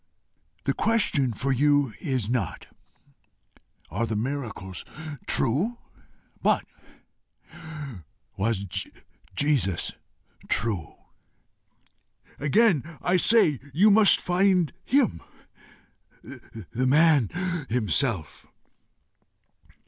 The question for you is not, Are the miracles true? but, Was Jesus true? Again I say, you must find him the man himself.